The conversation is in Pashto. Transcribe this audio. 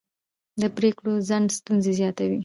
د پرېکړو ځنډ ستونزې زیاتوي